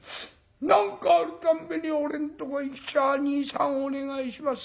何かあるたんびに俺んとこへ来ちゃ『兄さんお願いします。